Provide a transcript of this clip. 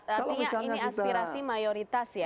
artinya ini aspirasi mayoritas ya